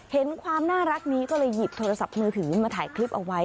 เห็นความน่ารักนี้ก็เลยหยิบโทรศัพท์มือถือมาถ่ายคลิปเอาไว้